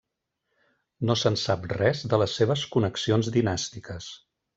No se'n sap res de les seves connexions dinàstiques.